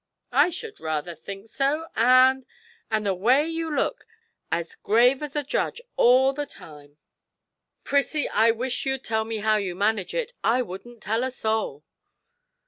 'I should rather think so! and and the way you look as grave as a judge all the time! Prissie, I wish you'd tell me how you manage it, I wouldn't tell a soul.'